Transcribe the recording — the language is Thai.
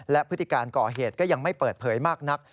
และพฤติการก่อเหตุก็ยังไม่เปิดเผยมากนัก